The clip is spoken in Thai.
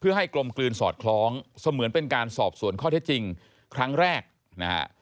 ให้กลมกลืนสอดคล้องเสมือนเป็นการสอบสวนข้อเท็จจริงครั้งแรกนะฮะ